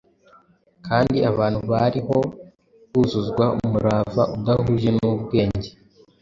kandi abantu bariho buzuzwa umurava udahuje n’ubwenge.